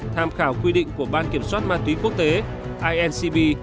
tham khảo quy định của ban kiểm soát ma túy quốc tế incb